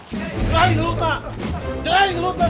jelai lupa jelai lupa